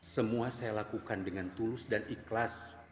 semua saya lakukan dengan tulus dan ikhlas